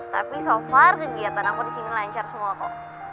tapi so far kegiatan aku disini lancar semua kok